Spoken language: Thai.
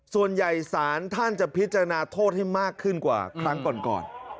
สารท่านจะพิจารณาโทษให้มากขึ้นกว่าครั้งก่อน